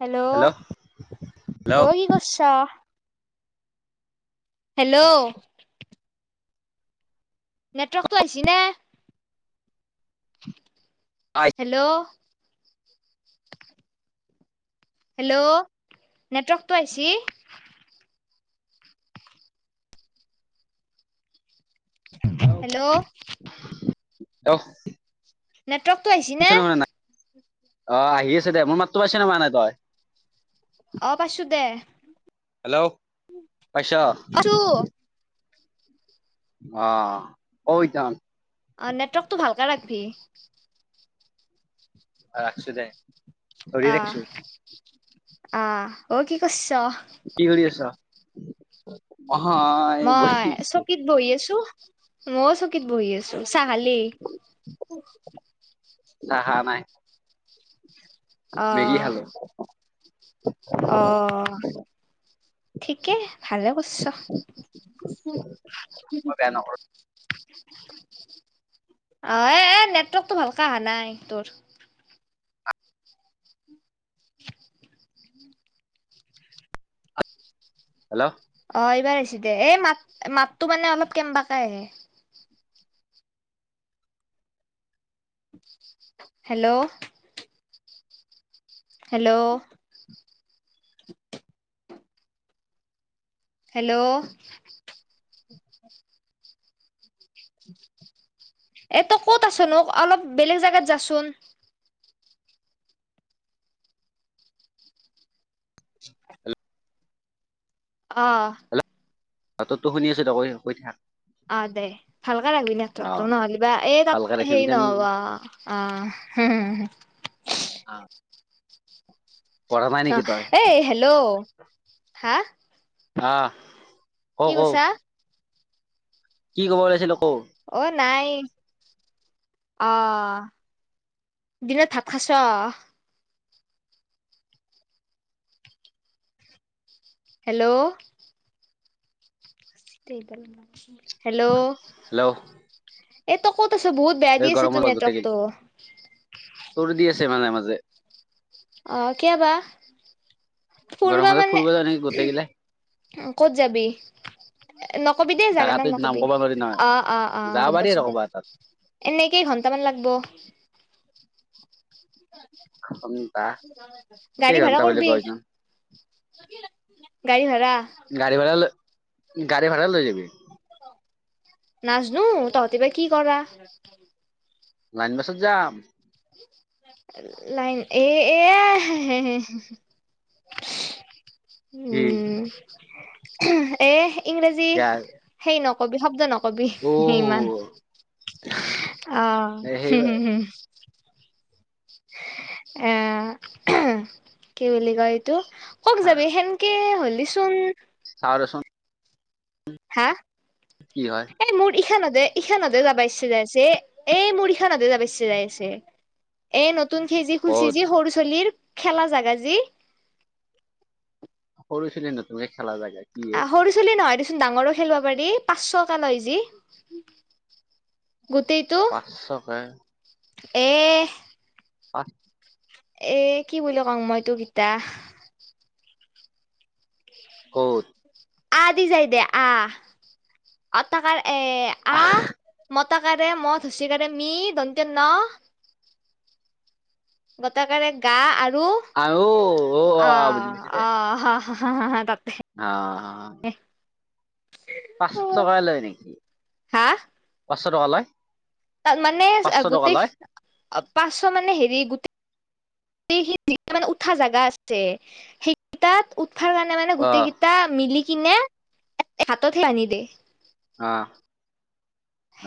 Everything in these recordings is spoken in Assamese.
হেল্ল' অ হেল্ল' কি কৰিছ হেল্ল' নেটৱৰ্কটো আহছ ন হেল্ল' হেল্ল' নেটৱৰ্কটো আহছ হেল্ল' হেল নেটৱৰ্কটো আহিছ নে অ আহি আছে দে মোৰ মাততো পাইছে ন মোৱা নাই তই অ পাইছো দে হেল্ল' আছা পাইছো অ জান অ নেটৱৰ্কতটো ভালকে ৰাখিবি ৰাখছো দে কৰিৰি অ ৰাখছো অ কি কছ কি কৰি আছা মই চকীত বহি আছো মই চকীত বহি আছো চাহালেই চ হা নাই মেগী আহ খালো অ থঠিকে ভালে কৰিছ উ অ এ নেটৱৰ্কতটো ভালকে অহা নাই তোৰ হেল্ল' অ এইবাৰ আহছ দে এই মাত মাতটো মানে অলপ কেনবাকে আহে হেল্ল' হেল্ল' হেল্ল' এইটো তই ক'ত আছনোক অলপ বেলেগ জেগাত যাচোন অঁ তাতত তো শুনি আছ ত কৈ কৈ থাক অ দে ভালকে লাগবি অ নেটৱৰ্কটো নহ'লেিবা এই ভালকে তাত ৰাখিবি হেৰি যেন নহবা অ হম হ অ নেকি তই এই এ হেল্ল' হা আহ ক কি কৌ কৈছা কি কব ওলাইছিল আকৌ অ নাই আহ দিনত ভাত খাইচ্ছা হেল্ল' হেল্ল' হেল্ল' এইটো ক'ত বহুত বে এই দিয়েছে তো গৰমত গোটেই নেটৱৰ্কটো ছে মাজে মাজে অ কিউবা ফুৰবা গৰমতে মানে ফুৰিব যায় নেকি গোটেই গিলাই ক'ত যাবি নকবি দেই জাগা জাগাটোৰ নাই নাম নকবি ক'ব নোৱাৰি নহয় অ অ অ অ যাব গম পাৰি আৰু পাইছো দে ক'বা এটাত এনেই কেই ঘন্টামান লাগব ঘন্টা গাড়ী ভাড়া কেইঘন্টা বুলি কৰবি কয় ন গাড়ী ভাড়া গা়ী ভাড়া ল গাড়ী ভাড়া লৈ যাবি নচনো তাহতিবাই কি কৰা লাইন বাছত যাম লাইন এ এ হে হে কি উম এ ইংৰাজী হেই নকবি শব্দ নক কবি অ স ইমান আহ সেই হ হম এ কি বুলি কয় এইটো কওক যাবি সেনকে হ'লিচোন চাচোন হা কি হয় এ মোৰ ইখনতে ইখনানতে যাবা ইচ্ছা যেছে এই মুৰিখা নতে যাব যাইছে এ নতুন খেজি ক'ত খুলচিজি সৰু ছালিৰ খেলা জাগা যি সৰুছিলে নতুকে খেলা যাগা অ সৰু চল নহয় দে ডাঙৰো খেলিব পাৰি পাঁচশক লয় যি গোটেইটো পাঁচশকে এ আঠ এ কি বুলি কওঁ মই তোক এটা কত আ দিছাই দে আ তাকাৰে আহ পতাকাৰে ম হুচ কাৰে মি দন্ত ন গটাকে গা আৰু আহ অ অ বুজি পাইছো দে অ হা হা হা তাত অ হ পাঁচ টকা লয় নেকি হা পাঁচশ টকা লয় মানে পাঁচশ টকা গোটেই লয় পাঁচশ মানে হেৰি গোটেই মানে উঠা জোগা আছে সেইকেইটাত কাৰণে মানে অ গোটেই কেইটা মিলি কিনে হাতত সে আনি দে আহ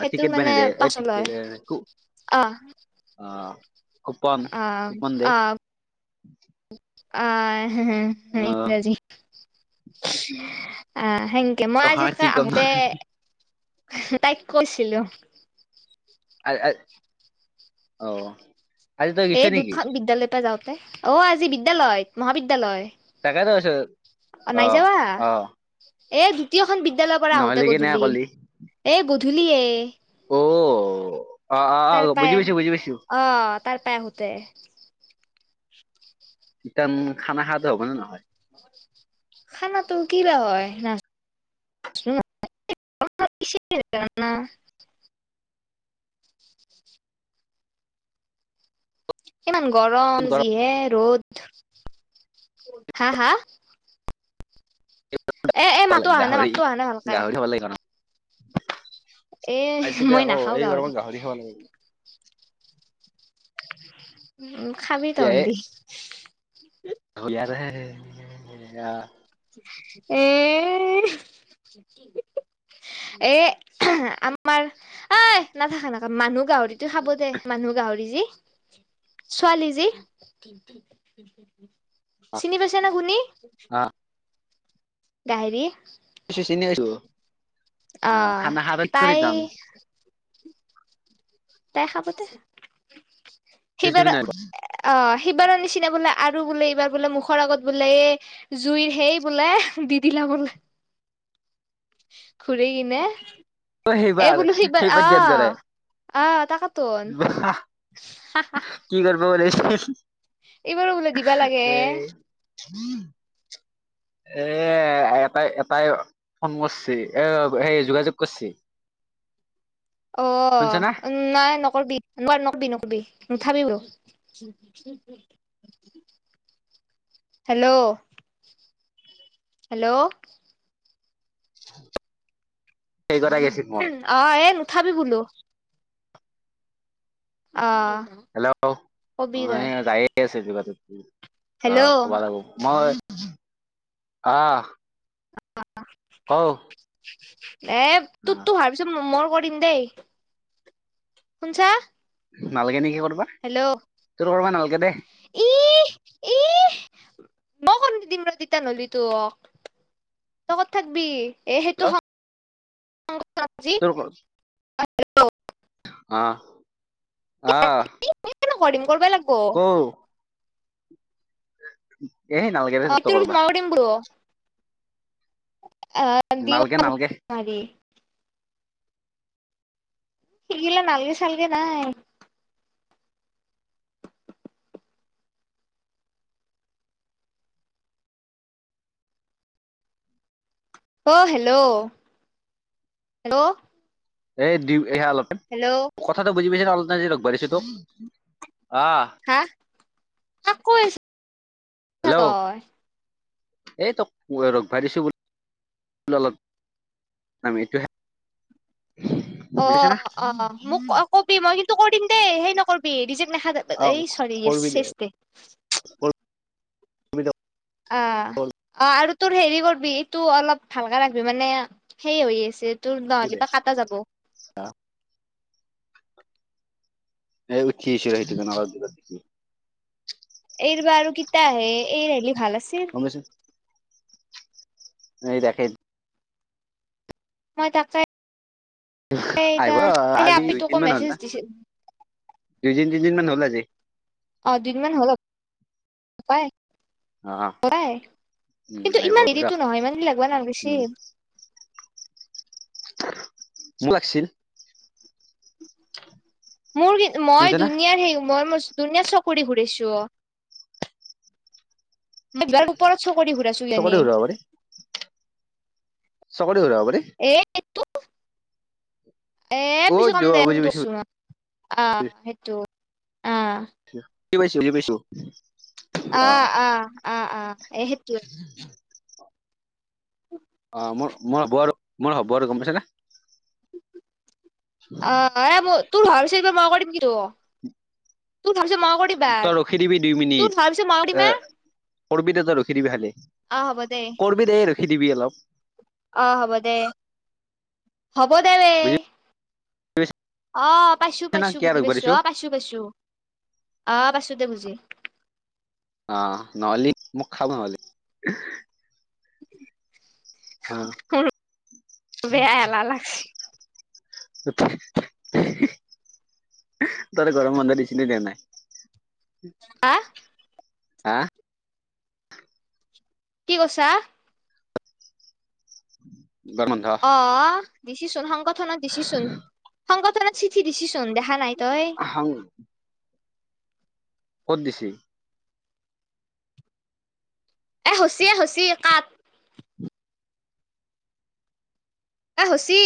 অ টিকেট মানে বনে দিয় পাছত লয় ক ক অ অ কুপন অ কুপন দে অ আহ হ অ ইৰাজী অ থেংক ই মই অহা কি আজিকৈ ক'ম ন আহোতে তাইক কৈছিলো আহ অ আজি তই এ গৈছ নেকি দুটখন বিদ্যালয়ৰ পৰা যাওঁতে অ আজি বিদ্য়ালয়ত মহাবিদ্যয়ালয় তাকাই দছ আহ আহ এ দ্বিতীয়খন বিদ্যালয়ৰ পৰা আহোতে গধূলি কলি এ গধূলি অ অ অ অ তাৰ বুজি পাই পাইছো বুজি পাইছো আহ তাৰ পাই আহোতে ই খানা খোৱা দ হ মানে নহয় খানাটো কিবা হয় নচ প ইমান গৰম যিহে ৰ'দ হা হা এ এ মাতো লাগ অহা নাই গাহৰি মাতো অহা নাই ভালকে গাহৰি হব লাগে ন এ আহাইছিল দে মই আকৌ নাখাও এই গৰমত গাহৰি খাব লাগিব উ খাবি তন্ত আহল ইয় এ [inaudible] এ আমাৰ আ নাথাকা নক মানুহ গাহৰিতো খাব দে মানুহ গাহৰি ছোৱালী জী চিনি পাইছে না শুনি গাহৰি চিনি আছো আহ খানা খ বাগ কৰি যাম তাই খাবতে সেইবাৰ আহ সিবাৰৰ নিচিনা বোলে আৰু বোলে এইবাৰ বোলে মুখৰ আগত বোলে এই জুইৰ সেই বোলে দি দিলে [inaudible] উ ঘুৰে কি ন সেইবাৰ এইবোলো সবাৰ সেইবাৰ দিয়াৰ দৰে আহ অ তাক কি কৰব বছ এইবাৰো বোল দিবা লাগে এ এটাই এটাই ফোন কৰিছে এ সেই যোগাযোগ কৰছ অ নাই নকৰিবি ন নকৰিবি নকৰিবি নুথাবি হেল্ল' হেল্ল' সেই কথা গৈছিল মোৰ অ এ নুঠাবি বোলো অ হেল্ল' কবি তই এই যায়ে আছে কিবা ত অ হেল্ল' কবা এ লাগিব মই আহ অহ এ তোৰ তো হোৱাৰ পিছত মোৰ কৰিম দেই শুনছা নালকে নিকি কৰিব হেল্ল' ই ই মই কণ দিম তা নহলি তো তত থাকবি এই হেতু হয় দক [unintelligible] আহ আহ হ কৰিবই লাগে ক এ নালাগে অ য তোৰ পিছত কৰা মই কৰিম আহ দি নালগে নালগে সেইগিলা নালগে চালগে নাই অহ হেল্ল' হেল্ল' এই দি এয়া অলপতে হেল্ল' কথাটো বুজি পাইছে অলপ লগবঢ়িছো তো হা আ কৈ হেল্ল' আছ এই ত ভিছো বুলি অল আমি এইটো অ বুজিছ না অ মোক অ কবি মই কিন্তু কৰি দিম দেই সেই নকৰিবি ৰিজেক্ট নাখা অ এই চ এচ কৰবি এষ্টে দে অ অ আৰু তোৰ হেৰি কৰিবি তোৰ অলপ ভালকে লাগবি মানে হে হৈ আছে তোৰ নহ এ কিবা কাটা যাব এই উঠছ থোক নাৰ দগ দি এইবাৰ আৰু কিতা আহে এই হি ভাল আছে এই দেখেই মই তাকাই আহিব আজি আপিটোকো দুইদিনমান হ'ল মেছেজ না দিছিল দুইদান তিনদিন মান হ'ল যে অ কৰা উম কিন্তু আহিব ইমান পাৰা দেৰিতো নহয় ইমান দে লাগবা উম নালাগেছিল মোক লাগছিল মোৰ কি শুনিছ মই না দুনীয়াৰ সেই মই ম দুনীয়া চকৰি ঘুৰিছো ম বি ওপৰত চকৰি ঘূৰাইছো চকতে যেনে ঘূৰাব পাৰি কৰে ৰব এ এ অ পিছ কাম দে বুজি পাইছো শুনটোছোন আহ সেইটো অ কি পাইছজি পাইছো অ অ অ অ এই সেইটোৱে অ মোৰ মই হ'ব আৰু মই হ'ব আৰু গম পাইছ ন অ মই তোৰ ভৰ পিচব মই কৰিম কি তো তোৰ ভাবিছে ম কৰি বাৰ তই ৰখি দিবি দুই মিনিট তোৰ ভাবিছে মাক এ মা কৰবি দে ৰখি দিবি খালি আহ হ'ব দে সিদিবি অলপ অ হ'ব দে হ'ব দে ব বুজি অ পাইছো পাইছ না পাইছো কিয় বুজি ৰখিব পাইছো দিছো অ পাইছো পাইছো আহ পছো দে বুজি অ নহালি মোক খা নোৱালি বেয়ায়াাল লাগছে তই গৰম বন্ধা দিছিলি দে নাই আহ হা কি কৈছা উম অ দিছিচোন সংগঠনত দিছিচোন সংগঠনত চিঠি দিছি চোন দেখা নাই তই আহ ক'ত দিছি এ হুচিয় এ হুচিয়ে কাত এ হুচি